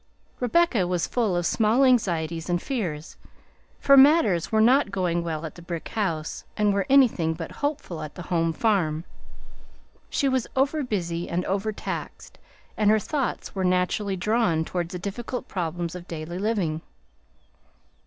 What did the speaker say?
Rebecca was full of small anxieties and fears, for matters were not going well at the brick house and were anything but hopeful at the home farm. She was overbusy and overtaxed, and her thoughts were naturally drawn towards the difficult problems of daily living.